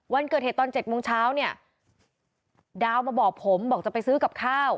วันเกิดเหตุตอน๗โมงเช้าเนี่ยดาวมาบอกผมบอกจะไปซื้อกับข้าว